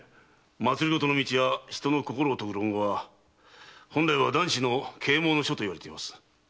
政の道や人の心を説く論語は本来は男子の啓蒙の書といわれています。